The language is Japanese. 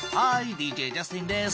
ＤＪジャスティンです。